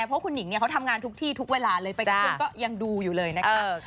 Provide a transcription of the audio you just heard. เพราะคุณหนิงเนี่ยเขาทำงานทุกที่ทุกเวลาเลยไปกับเพื่อนก็ยังดูอยู่เลยนะคะ